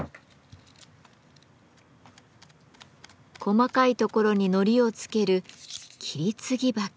細かいところに糊をつける「切り継ぎ刷毛」。